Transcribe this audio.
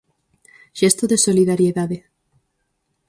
Xesto de solidariedade.